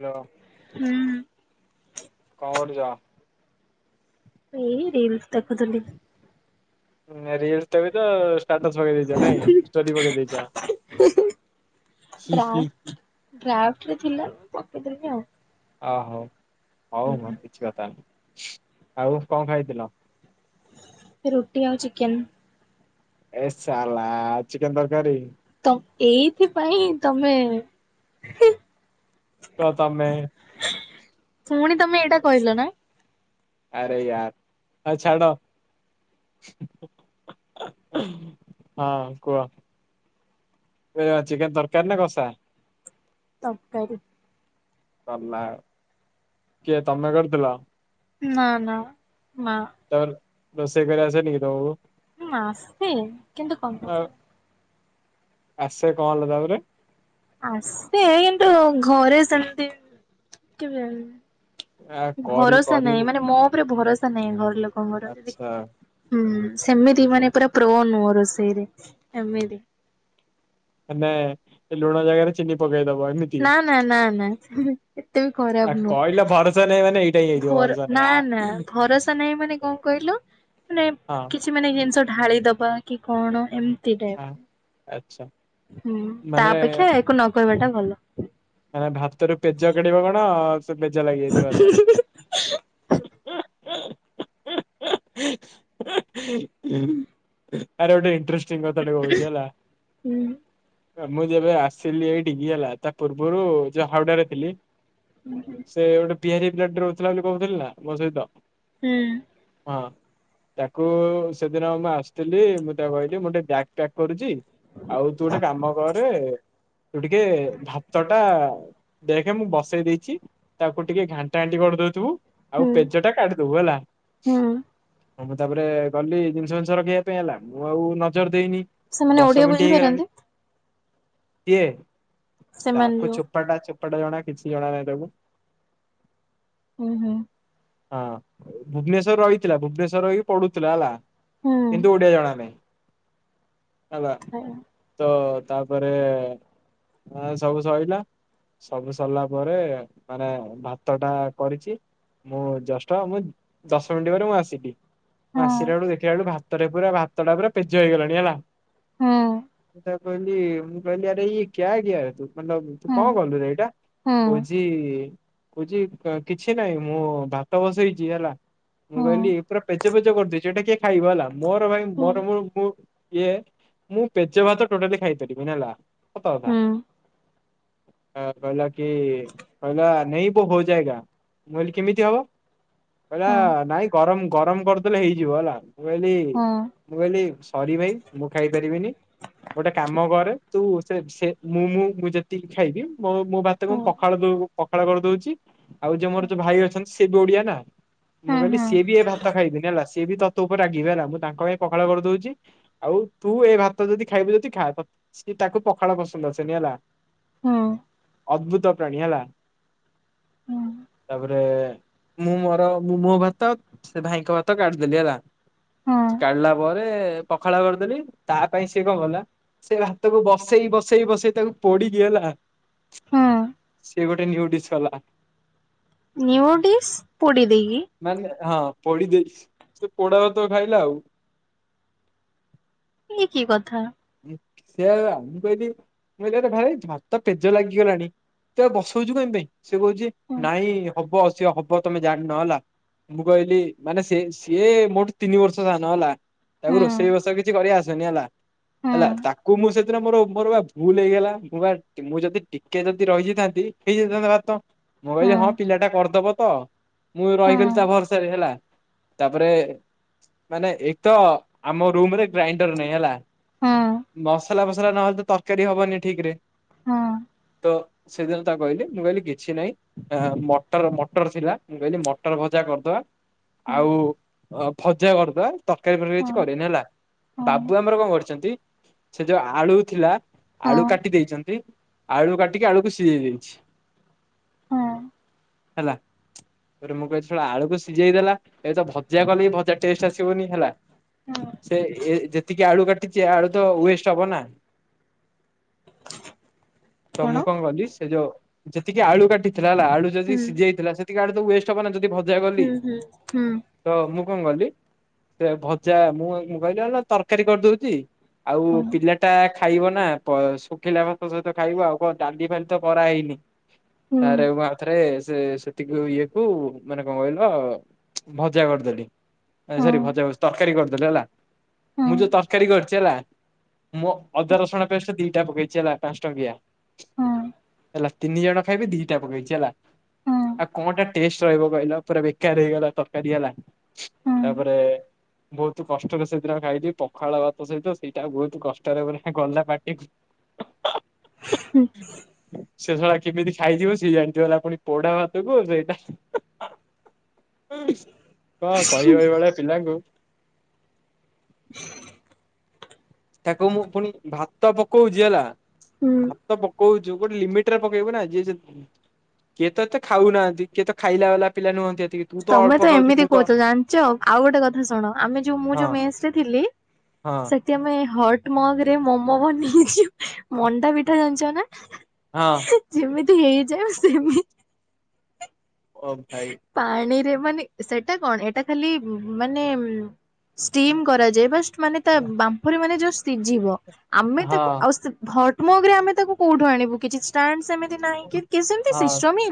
Hello, ହୁଁ କଣ କରୁଚ? ଏଇ ରିଲ୍ସ ଦେଖୁଥିଲି। ଏ ରିଲ୍ସଟା ବି ତ ଷ୍ଟାଟସ ପକେଇଦେଇଚ ନାହିଁ, ଷ୍ଟୋରି ପକେଇଦେଇଚ। ହି-ହି-ହି। ଡ୍ରାଫ୍ଟରେ ଥିଲା, ମୁଁ ପକେଇଦେଲି ଆଉ। ଅହୋ ହଉ, ହଉ ହଉ ହୁଁ। କିଛି କଥା ନାହିଁ। ଆଉ କଣ ଖାଇଥିଲ? ଏ ରୁଟି ଆଉ ଚିକେନ। ଏ ସାଲା ଚିକେନ ତରକାରୀ? ତ ଏଇଥିପାଇଁ ତମେ, ହିଁ କ ତମେ ପୁଣି ତମେ ଏଇଟା କହିଲ ନା? ଆରେ ୟାର, ଆଉ ଛାଡ ହଁ, କୁହ। ଏବେ ଚିକେନ ତରକାରୀ ନା କଷା? ତରକାରୀ। ସରିଲା ଆଉ। କିଏ ତମେ କରିଥିଲ? ଉମ୍ ନା, ନା, ନା। ତାପରେ, ରୋଷେଇ କରି ଆସେ ଟି ତମକୁ? ହୁଁ, ଆସେ କିନ୍ତୁ କମ୍ ଆଉ କର ଆସେ, କଣ ହେଲା ତାପରେ? ଆସେ କିନ୍ତୁ ଘରେ ସେମତି କେବେ ଆ [unintelligible] କରି ଭରସା ନାହିଁ। କରିବୁ ମାନେ ମୋ ଉପରେ ଭରସା ନାହିଁ, ଘର ଲୋକଙ୍କର। ଯଦି ଆଚ୍ଛା ହୁଁ, ସେମିତି ମାନେ ପୁରା ପ୍ରୋ ନୁହଁ ରୋଷେଇରେ, ଏମିତି। ମାନେ ସେ ଲୁଣ ଜାଗାରେ ଚିନି ପକେଇଦବ, ଏମିତି? ନା, ନା, ନା, ନା, ସେ ଏତେ ବି ଆ ଖରାପ କହିଲ ନୁହଁ। ଭରସା ନାହିଁ ମାନେ ଏଇଟା ହିଁ ହେଇଥିବ ଭର ଭରସା ନାହିଁ ନା ଆ ନା, ଭରସା ନାହିଁ ମାନେ କଣ କହିଲ, ମାନେ ହଁ କିଛି କିଛି ମାନେ ଜିନିଷ ଢାଳି ଦବା, କି କଣ ଏମତି ଟାଇପ୍ ହଁ, ଆଚ୍ଛା। ହୁଁ, ତା ମାନେ ଅପେକ୍ଷା ୟାକୁ ନକହିବାଟା ଭଲ। ମାନେ ଭାତରୁ ପେଜ କାଢିବ କଣ ସେ ପେଜ ଲାଗିଯାଇଥିବ ହାତରେ। [unintelligible] ଆରେ ଗୋଟେ ଇନଟ୍ରେଷ୍ଟି କଥା ଟେ କହୁଛି ହେଲା ହୁଁ ମୁଁ ଯେବେ ଆସିଲି ଏଇଠିକି ହେଲା ତା ପୂର୍ବରୁ ଯଉ ହାଉଡା ରେ ଥିଲି। ହୁଁ ହୁଁ। ସେ ଗୋଟେ ବିହାରୀ ପ୍ଲାଟଟେ ରହୁଥିଲା ବୋଲି କହୁଥିଲି ନା ମୋ ସହିତ? ହୁଁ। ହଁ। ତାକୁ ସେଦିନ ମୁଁ ଆସିଥିଲି ମୁଁ ତାକୁ କହିଲି ମୁଁ ଟିକେ ବ୍ୟାଗ୍ ପ୍ୟାକ୍ କରୁଛି। ଆଉ ତୁ ଗୋଟେ କାମ କରେ ତୁ ଟିକେ ଭା ତ ଟା ଦେଖେ ମୁଁ ବସେଇ ଦେଇଛି ତାକୁ ଟିକେ ଘାଣ୍ଟା ଘାଣ୍ଟି କରିଦଉଥିବୁ। ହୁଁ। ଆଉ ପେଜ ଟା କାଢୀଦବୁ ହେଲା। ହୁଁ ହଁ ମୁଁ ତାପରେ ଗଲି ଜିନିଷ ଫିନିଷ ରଖିବା ପାଇଁ ହେଲା ମୁଁ ଆଉ ନଜର ଦେଇନି। ସେମାନେ ଓଡିଆ ଦଶ ମିନିଟ୍ ହେଇଗଲାଣି ବୁଝିପାରନ୍ତି କିଏ? ସେମାନେ ତାକୁ ଯୋଉ ଚୋପାଟା ଚୋପାଟା ଜଣା କିଛି ଜଣା ନାହିଁ ତାକୁ। ହୁଁ ହୁଁ। ହଁ ଭୁବନେଶ୍ୱର ରହିଥିଲା ଭୁବନେଶ୍ଵର ରହିକି ପଢୁଥିଲା ହେଲା। ହୁଁ। କିନ୍ତୁ ଓଡ଼ିଆ ଜଣାନାହିଁ ହେଲା। ହଁ। ତ ତାପରେ ହଁ ସବୁ ସଇଲା ସବୁ ସରିଲା ପରେ ମାନେ ଭାତ ଟା କରିଚି। ମୁଁ ଜଷ୍ଟ ମୁଁ ଦଶ ମିନିଟ୍ ପରେ ମୁଁ ଆସିକି। ମୁଁ ଆସିଲା ବେଳୁ ଦେଖିଲା ବେଳୁ ଭାତଟା ପୁରା ଭାତଟା ପୁରା ପେଜୁଆ ହେଇଗଲାଣି ହେଲା। ହଁ କହିଲି ମୁଁ କହିଲି ଆରେ [unintelligible] ତୁ ହଁ କଣ କଲୁରେ ଏଇଟା? ହଁ କୋହୁଚି କୋହୁଚି କିଛି ନାହିଁ ମୁଁ ଭାତ ବସେଇଛି ହେଲା। ମୁଁ ହଁ। କହିଲି ପୁରା ପେଚ ପେଚ କରିଦେଇଛୁ ଏଇଟା କିଏ ଖାଇବ ହେଲା ମୋର ଭାଇ ହୁଁ ମୋର ମୁଁ ଇଏ ମୁଁ ପେଜ ଭାତ ଟୋଟାଲୀ ଖାଇପାରିବିନି ହେଲା ସତ କଥା। ହୁଁ କହିଲା କି କହିଲା [unintelligible] ମୁ କହିଲି କେମିତି ହବ? କହିଲା ହଁ ନାଇଁ ଗରମ୍ ଗରମ୍ କରିଦେଲେ ହେଇଯିବ ହେଲା ମୁଁ କହିଲି ହଁ ମୁଁ କହିଲି ସରି ଭାଇ ମୁଁ ଖାଇ ପାରିବିନି। ଗୋଟେ କାମ କରେ ତୁ ସେ ସେ ମୁଁ ମୁଁ ମୁଁ ଯେତିକି ଖାଇବି ମୋ ମୋ ଭାତ କୁ ହଁ ପଖାଳ ଦ ପଖାଳ କରିଦଉଛି। ଆଉ ଯୋଉ ମୋର ଯୋଉ ଭାଇ ଅଛନ୍ତି ସେ ବି ଓଡିଆ ନା ହଁ ମୁଁ କହିଲି ସିଏ ବି ଏ ଭାତ ଖାଇବିନି ହେଲା ସିଏ ବି ତ ତୋ ଉପରେ ରାଗିବେ ହେଲା ମୁଁ ତାଙ୍କ ପାଇଁ ପଖାଲ କରିଦଉଛି। ଆଉ ତୁ ଏ ଭାତ ଯଦି ଖାଇବୁ ଯଦି ଖାଆ ତା ସିଏ ତାକୁ ପଖାଳ ପସନ୍ଦ ଆସେନି ହେଲା। ହୁଁ। ଅଦ୍ଭୁତ ପ୍ରାଣୀ ହେଲା ହଁ। ତାପରେ ମୁଁ ମୋର ମୁଁ ମୋ ଭାତ ସେ ଭାଇଙ୍କ ଭାତ କାଢିଦେଲି ହେଲା। ହଁ କାଢିଲା ପରେ ପଖାଳ କରିଦେଲି ତା ପାଇଁ ସିଏ କଣ କଲା? ସେ ଭାତକୁ ବସେଇ ବସେଇ ବସେଇ ତାକୁ ପୋଡିକି ହେଲା ହଁ ସିଏ ଗୋଟେ ନିଉଡିସ୍ କଲା। ନିଉଡିସ୍ ପୋଡିଦେଇକି। ମାନେ ହଁ ପଡି ଦେଇଛି ସେ ପୋଡା ତ ଖାଇଲା ଆଉ। ଇଏ କି କଥା? ସେଆ ମୁ କହିଲି କହିଲି ଭାତ ‌ପେଜ ଲାଗିଗଲାଣି। ତ ବସଉଛୁ କଣ ପାଇଁ ସେ କହୁଛି ହୁଁ ନାଇଁ ହବ ଶେ। ତମେ ଜାଣିନ ହେଲା ମୁଁ କହିଲି ମାନେ ସେ ସିଏ ମୋଠୁ ତିନି ବର୍ଷ ସାନ ହେଲା। ହୁଁ ତାକୁ ରୋଷେଇ ବୋଷେଇ କିଛି କରି ଆସେନି ହେଲା। ହୁଁ ହେଲା ତାକୁ ମୁଁ ସେଦିନ ମୋର ମୋର ବା ଭୁଲ ହେଇଗଲା ମୁଁ ବା ମୁଁ ଯଦି ଟିକେ ଯଦି ରହିଯାଇଥାନ୍ତି ହେଇଯାଇଥାନ୍ତା ଭାତ ମୁଁ ହୁଁ କହିଲି ହଁ ପିଲାଟା କରିଦବ ତ ମୁଁ ରହିଗଲି ତା ଭରସାରେ ହେଲା। ତାପରେ ମାନେ ଏକ ତ ଆମ ରୁମରେ ଗ୍ରାଇଣ୍ଡର ନାହିଁ ହେଲା। ହୁଁ ମସଲା ଫସଲା ନହେଲେ ତରକାରୀ ହବନି ଠିକ୍ ରେ ହୁଁ ହୁଁ ତ ସେଦିନ ତାକୁ କହିଲି ମୁଁ କହିଲି କିଛି ନାହିଁ। ମଟର ମଟର ଥିଲା ମୁଁ କହିଲି ମଟର ଭଜା କରିଦବା। ହୁଁ ଆଉ ଭଜା କରିଦବା। ତରକାରୀ ଫରକାରୀ କିଛି କରେନି ହେଲା ହୁଁ ହୁଁ ବାବୁ ଆମର କଣ କରିଛନ୍ତି ସେ ଯୋଉ ଆଳୁ ଥିଲା। ହଁ ଆଳୁ କାଟି ଦେଇେଛନ୍ତି ଆଳୁ କାଟିକି ଆଳୁକୁ ସିଝେଇ ଦେଇଛି। ହଁ ହେଲା। ତା ପରେ ମୁଁ କହିଲି ସଳା ଆଳୁକୁ ସିଝେଇ ଦେଲା ଏବେ ତ ଭଜା କଲେ ଭଜା ଟେଷ୍ଟ ଆସିବନି ହେଲା। ହଁ ସେ ଏ ଯେତିକି ଆଳୁ କାଟିଛି ଆଳୁ ତ ୱେଷ୍ଟ ହବ ନା ତ ମୁଁ କଣ କଲି ସେ ଯୋଉ ଯେତିକି ଆଳୁ କାଟିଥିଲା ହେଲା ଆଳୁ ଯଦି ହୁଁ ସିଝି ଯାଇଥିଲା ସେତିକି ଆଡେ ତ ୱଷ୍ଟ ହବ ନା ଯଦି ଭଜା ଗଲି ହୁଁ ହୁଁ ହୁଁ ତ ମୁଁ କଣ କଲି ସେ ଭଜା ମୁଁ କହିଲି ନା ତରକାରୀ କରିଦଉଛି ଆଉ ହଁ ପିଲାଟା ଖାଇବ ନା ଶୁଖିଲା ଭାତ ସହିତ ଖାଇବ ଆଉ କଣ ଡାଲି ଫାଲି ତ କରା ହେଇନି ହୁଁ ତରେ ଆଉ ଥରେ ସେ ତି ଇଏ କୁ ମାନେ କଣ କହିଲ ଭଜା କରିଦେଲି। ସ ହଁ ଭଜା ଭ ତରକାରୀ କରିଦେଲେ ହେଲା ହଁ ମୁଁ ଯୋଉ ତରକାରୀ କରିଦି ପଚ ହେଲା ମୋ ହଁ ଅଦା ରସୁଣ ପେଷ୍ଟ ଦିଟା ପକେଇଛି ହେଲା ପାଞ୍ଚ ଟଙ୍କିଆ ହଁ ହେଲା ତିନି ଜଣ ଖାଇବେ ଦିଟା ପକେଇଛି ହେଲା। ହଁ ଆଉ କଣଟା ଟେଷ୍ଟ ରହିବ କହିଲ ପୁରା ବେକାର ହେଇଗଲା ତରକାରୀ ହେଲା। ତାପରେ ବହୁତ କଷ୍ଟରେ ସେଦିନ ଖାଇଲି ପଖାଳ ସହିତ ସେଇଟା ବହୁତ କଷ୍ଟରେ ଗଲା ପାଟିକୁ ହୁଁ ଶେ ଶଳା କେମିତି ଖାଇଥିବ ସିଏ ଜାଣିଥିବଲା ପୁଣି ପୋଢା ଭାତକୁ ସେଇଟା କଣ କହିବ ଏଇଭଳିଆ ପିଲାଙ୍କୁ ତାକୁ ମୁଁ ପୁଣି ଭାତ ପକଉଛି ହେଲା ହୁଁ ତ ପକଉଛୁ ଗୋଟେ ଲିମିଟ ରେ ପକେଇବୁ ନା ଯିଏ କିଏ ତ ଏତେ ଖାଉନାହାନ୍ତି କିଏ ତ ଖାଇଲା ବାଲା ପିଲା ନୁହଁନ୍ତି ଏତି ତମେ ତ ଏମିତି କହୁଛ ଜାଣିଛ ଆଉ ଗୋଟେ କଥା ଶୁଣ ଆମେ ଯୋଉ ମୁଁ ହଁ ଯୋଉ ମେନ୍ସ ରେ ଥିଲି ହଁ ସେଠି ଆମେ ହଟ୍ ମଗ ରେ ମମୋ ବନେଇ ମଣ୍ଡା ପିଠା ଜାଣିଛ ନା ହଁ ଯେମିତି ହେଇଯାଏ ମୁ ସେମିତି ଅ ଭାଇ ପାଣିରେ ମାନେ ସେଟା କଣ ଏଇଟା ଖାଲି ମାନେ ଷ୍ଟିମ୍ କରାଯାଏ ବା ମାନେ ତା ବାମ୍ପରି ମାନେ ଯୋଉ ସିଝିବ ଆମେ ତାକୁ ହଁ ଆଉ ମୋଗରେ ଆମେ ତାକୁ କୋଉଠୁ ଆଣିବୁ କିଛି ମଁମତି ସିଷ୍ଟ ହଁ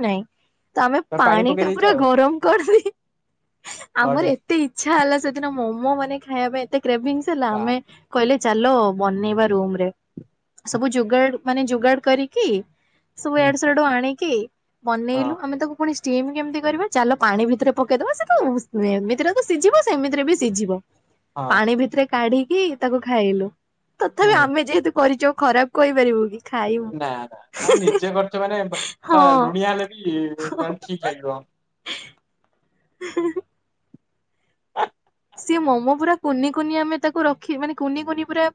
ତ ଆମେ ପାଣି ପକେଇ ଟା ଦେଇଛ ପୁରା ଆଉ। କଣ ଆମର ବଢିଆ ଏ ଏତେ ଇଚଛା ହେଲା ସେଦିନ ମୋମୋ ମାନେ ଖାଇବା ପାଇଁ ଏତେ କ୍ରଭିଂସ ହେଲା ବା ଆମେ କହିଲେ ଚାଲ ବନେଇବା ରୁମରେ ହୁଁ ସବୁ ଯୋଗାଡ ମାନେ ଯୋଗାଡ କରିକି ସବୁ ହୁଁ ଆଡୁ ସ ଆଡୁ ଆଣିକି ବନେଇଲୁ ହଁ ଆମେ ତାକୁ ପୁଣି ଷ୍ଟିମ୍ କେମିତି କରିବା ଚାଲ ପାଣି ଭିତରେ ପକେଇଦବା ସେ ତ ଏମିତିରେ ତ ସିଝିବ ସେମିତିରେ ବି ସିଝିବ। ହଁ ପାଣି ଭିତରେ କାଢିକି ତାକୁ ଖାଇଲୁ ତଥାପି ହୁଁ ଆମେ ଯେହେତୁ କରିଛୁ ଖରାପ କହିପାରିବୁ କି? ଖାଇବୁ ନା ନା ନିଜେ କରିଥ ମାନେ ହଁ। ଲୁଣିଆ ହେଲେ ବି ତା ଠିକ ଲାଗିବ। ସିଏ ମୋମୋ ପୁରା କୁନି କୁନି ଆମେ ତାକୁ ରଖି ମାନେ କୁନି କୁନି ପୁରା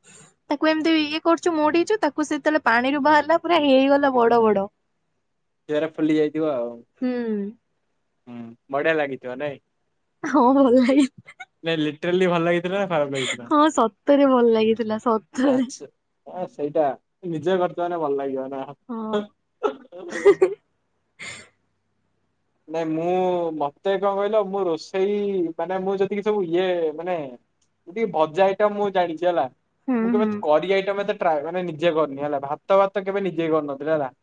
ତାକୁ ଏମିତି ଇଏ କରୁଚୁ ମୋଡ଼ିଇଚୁ ତାକୁ ସେତେବେଳେ ପାଣିରୁ ବାହାରିଲା ପୁରା ହେଇଗଲା ବଡ଼ ବଡ଼। [inaudible] ଇଆରା ଫୁଲି ଯାଇଥିବ ଆଉ ହୁଁ ବଢ଼ିଆ ଲାଗିଥିବ ନାଇଁ। ହଁ ଭଲ ଲାଗି ନାଇଁ ଲିଟେରିଲ୍ ଭଲ ଲାଗି ରା ଖରାପ୍ ହେଇ ହଁ ସତରେ ଭଲ ଲାଗିଥିଲା ସତରେ। ଆଚ୍ଛା। ହଁ ସେଇଟା ନିଜେ କରିଚ ମାନେ ଭଲ ଲାଗିବନା। ହଁ। [inaudible] ନାଇଁ ମୁଁ ମତେ କଣ କହିଲ ମୁଁ ରୋଷେଇ ମାନେ ମୁଁ ଯଦିକି ସବୁ ଇଏ ମାନେ ମୁଟିକେ ଭଜା ଆଇଟମ୍ ମୁଜାଣିଚି ହେଲା ହୁଁ ମୁକେବେ ହୁଁ କରି ଆଇଟମ୍ ଏତେ ଟ୍ରାଏ ମାନେ ନିଜେ କରିନି ହେଲା ଭାତ ଭାତ କେବେ ନିଜେ କରିନଥିଲି ହେଲା।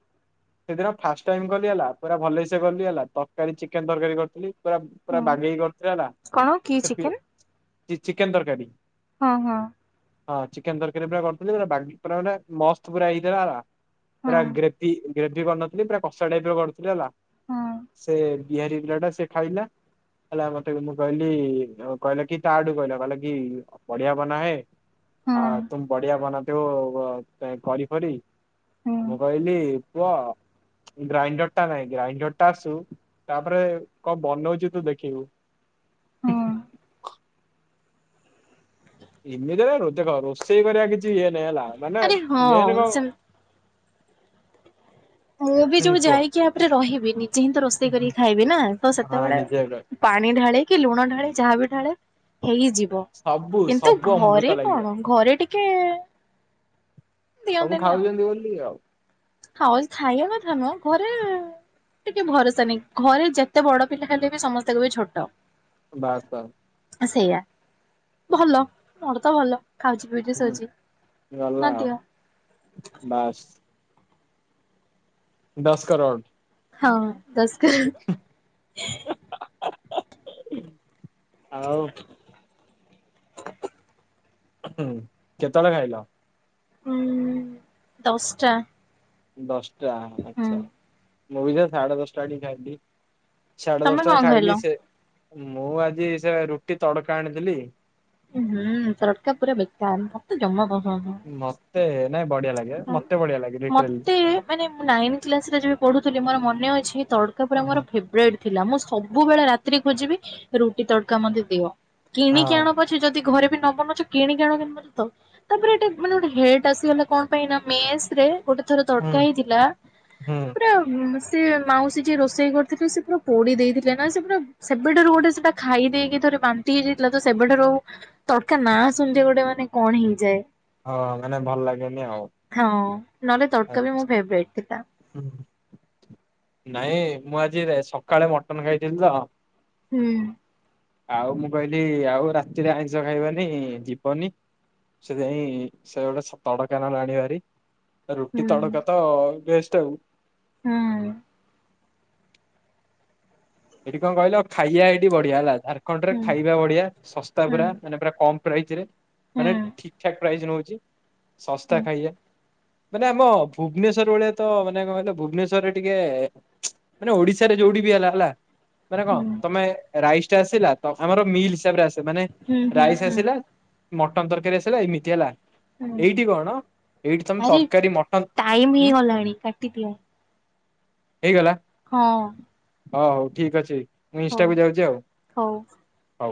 ସେଦିନ ଫାଷ୍ଟ ଟାଇମ୍ କଲି ହେଲା ପୁରା ଭଲସେ କଲି ହେଲା ତରକାରୀ ଚିକେନ୍ ତରକାରୀ କରିଥିଲି ପୁରା ପୁରା ହୁଁ ବାଗେଇକି କରିଥିଲା ହେଲା କଣ କି ସେ ପି ଚିକେନ ଚିକେନ୍ ତରକାରୀ। ହଁ ହଁ। ହଁ ଚିକେନ୍ ତରକାରୀ ପୁରା କରିଥିଲି ପୁର ପୁରା ମାନେ ମସ୍ତ ପୁରା ହେଇଥିଲା ହେଲା। ହଁ ପୁରା ଗ୍ରେପି ଗ୍ରେଭି କରିନଥିଲି ପୁରା କଷା ଟାଇପିର କରିଥିଲି ହେଲା। ହଁ। ସେ ବିହାରୀ ପିଲାଟା ସେଖାଇଲା ହେଲା ମତେ ମୁକହିଲି କହିଲାକି ତାଠୁ କହିଲା କହିଲାକି ବଢ଼ିଆ ବନାହେ ହଁ ହତୁମ୍ ବଢ଼ିଆ ବନାତେହୋ କରି ଫରି ହୁଁ ମୁକହିଲି ପୁଅ ଗ୍ରାଇଣ୍ଡରଟା ନାଇଁ ଗ୍ରାଇଣ୍ଡରଟା ଆସୁ ତାପରେ କଣ ବନଉଚି ତୁଦେଖିବୁ। ହଁ। ଏମିତିରେ ଦେଖ ରୋଷେଇ କରିବା କିଛି ଇଏ ନାଇଁ ହେଲା ମାନେ ଆରେ ମେନ୍ ହଁ କଣ ସେ ମୁବି ହୁଁ ଯୋଉ କୁହ। ଯାଇକିଆପରେ ରହିବି ନିଜେହିଁ ତରୋଷେଇ କରିକି ଖାଇବିନା ହଁ ତସେତେବେଳେ ନିଜେ କର ପାଣି ଢାଳେକି ଲୁଣ ଢାଳେ ଯାହାବିି ଢାଳେ ହେଇଯି ବ ସବୁ କିନ୍ତୁ ସବୁ ଘରେ ଅମୃତ ଲାଗିବ କଣ ଘରେ ଟିକିଏ ସବୁ ଖାଉଊନ୍ତି ବୋଲି ଆଉ। ହଁ ଖାଇବା କଥାନୁହଁ ଘରେ ଟିକେ ଭରସା ନାହିଁ ଘରେ ଯେତେ ବଡ଼ ପିଲା ଖାଲେବି ସମସ୍ତେ କହିବେ ଛୋଟ। ବାସ୍ ବାସ୍। ସେଇୟା ଭଲ ମୋରତ ଭଲ। ଖାଉଚି ପିଉଚି ହୁଁ ସଉଚି ଗଲା ଆଉ ନଦିଅ। ବାସ୍। ଦଶ କରୋଡ଼ ହଁ ଦସ କରୋଡ଼। ଆଉ ହୁଁ କେତେବେଳେ ଖାଇଲ? ଉଁ ଦଶଟା‌‌। ଦଶଟା ଆଛା ମୁବିସେ ସାଢେ ଦଶଟା ଏଇଠି ଖାଇିଲି ସାଢେ ତମେ କଣ ଦଶଟାରେ ଖାଇଲ? ଖାଇଲି ସେମୁ ଆଜିସେ ରୁଟି ତଡ଼କା ଆଣିଥିଲି। ଉଁ ହୁଁ ତଡ଼କା ପୁରା ବେକାର ମତେ ଜମା ପସନ୍ଦ ନୁହଁ। ମ ମତେ ନାଇଁ ବଢି ଲଗେ ମତେ ବଢି ମତେ ମାନେ ମୁନାଇନ୍ଥ କ୍ଲାସରେ ଯେବେ ପଢ଼ୁଥିଲି ମୋର ମନେ ଅଛି ତଡ଼କା ପୁରା ମୋର ଓହୋ। ଫେବରାଇଟ୍ ଥିଲା ମୁଁ ସବୁବେଳେ ରାତିି ଖୋଜିବି ରୁଟି ତଡକା ମତେ ଦିଅ କିଣିକି ହଁ ଆଣ ପ ଯଦି ଘରେ ବି ନ ବନଉଛ କିଣିକି ଆଣ [unintelligible] ତ ତାପରେ ଏ ମାନେ ଗୋଟେ ହେଟ ଆସିଗଲା କଣ ପାଇଁ ନା ମେସ ରେ ଗୋଟେ ଥର ହୁଁ ତଡକା ହେଇଥିଲା ହୁଁ। ପୁରା ସେ ମାଉସୀ ଯିଏ ରୋଷେଇ କରୁଥିଲେ ସେ ପୁରା ପୋଡି ଦେଇଥିଲେ ନା ସେ ପୁରା ସେବେଠାରୁ ଗୋଟେ ସେଟା ଖାଇ ଦେଇକି ଥରେ ବାନ୍ତି ହେଇଯାଇଥିଲା ତ ସେବେଠାରୁ ତଡକା ନାଁ ଶୁଣିଲେ ଗୋଟେ ମାନେ କଣ ହେଇଯାଏ। ହଁ ମାନେ ଭଲ ଲାଗେନି ଆଉ। ହଁ ନହେଲେ ଆ- ତଡ଼କା ବି ମୋ ଫେବରାଇଟ୍ ଥିଲା। ନାଇଁ ମୁଁ ଆଜି ରେ ସକାଳେ ମଟନ ଖାଇଥିଲି ତ। ହୁଁ। ଆଉ ମୁଁ କହିଲି ଆଉ ରାତିରେ ଆଇଁଷ ଖାଇବାନି ଯିବନି। ସେଥିପାଇଁ ସେ ଗୋଟେ ସ ତଡକା [unintelligible] ବାରି ରୁଟି ହୁଁ ତଡକା ତ ବେଷ୍ଟ ଆଉ। ହୁଁ। ଏଇଠି କଣ କହିଲ ଖାଇଆ ଏଇଠି ବଢିଆ ହେଲା ଝାଡଖଣ୍ଡ ରେ ହୁଁ ଖାଇବା ବଢିଆ ଶସ୍ତା ପୁରା ମାନେ ପୁରା କମ୍ ପ୍ରାଇଜରେ ହୁଁ ମାନେ ଠିକ୍ ଠାକ୍ ପ୍ରାଇଜ୍ ନେଉଛି ହୁଁ ହୁଁ ଶସ୍ତା ଖାଇଆ ମାନେ ଆମ ଭୁବନେଶ୍ଵର ଭଳିଆ ତ ମାନେ କଣ କହିଲ ଭୁବନେଶ୍ଵରରେ ଟିକେ ମାନେ ଓଡିଶାରେ ଯୋଉଠି ବି ହେଲା ହେଲା ମାନେ କଣ ହୁଁ ତମେ ରାଇସ୍ ଟା ଆସିଲା ଆମର ମିଲ୍ ହିସାବରେ ଆସ ମାନେ ହୁଁ ହୁଁ ରାଇସ୍ ହୁଁ ଆସିଲା। ମଟନ ତରକାରୀ ଆସିଲା ଏମିତି ହେଲା। ହୁଁ ଏଇଠି କଣ ଏଇଠି ତମେ ଆରେ ତରକାରୀ ମଟନ ଟାଇମ ଉ ହେଇଗଲାଣି କାଟିଦିଅ ହେଇଗଲା। ହଁ। ଅ ହଉ ଠିକ୍ ଅଛି ମୁଁ ହଉ ଇନଷ୍ଟାକୁ ଯାଉଛି ଆଉ। ହଉ। ହଉ।